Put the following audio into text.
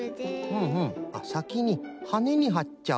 ふんふんさきにはねにはっちゃう。